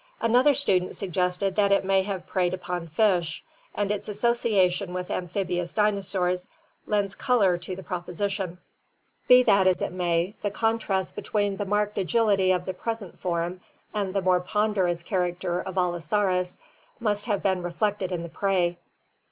Another student suggested that it may have preyed upon fish, and its association with amphibious dinosaurs lends color to the proposition. Be that as it may, the contrast between the marked agility of the present form and the more ponderous REPTILES AND DINOSAURS 513 character of Allosaurus must have been reflected in the prey.